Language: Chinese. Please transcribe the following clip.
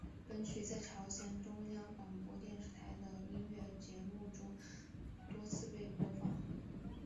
本曲在朝鲜中央广播电台的音乐节目中多次被播放。